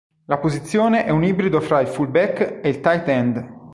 La posizione è un ibrido tra il fullback e il tight end.